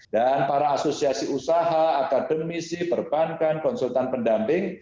dan para asosiasi usaha akademisi perbankan konsultan pendamping